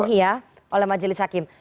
sosial justice nya dipenuhi oleh majelis hakim